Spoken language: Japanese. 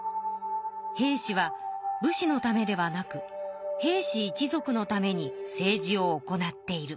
「平氏は武士のためではなく平氏一族のために政治を行っている」。